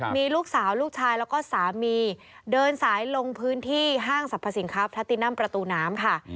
มีลูกสาวลูกชายแล้วก็สามีเดินสายลงพื้นที่ห้างสรรพสินค้าแพทตินัมประตูน้ำค่ะ